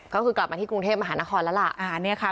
ก็คือกลับมาที่กรุงเทพมหานครแล้วล่ะ